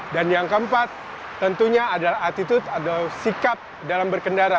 dan yang keempat tentunya adalah attitude atau sikap dalam berkendara